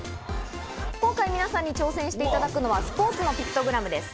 今回、皆さんに挑戦していただくのはスポーツのピクトグラムです。